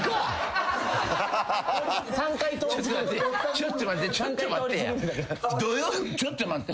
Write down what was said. ちょっと待ってちょっと待って。